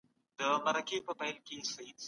مړینه د مځکي پر مخ د اوږد غځیدو په څیر ده.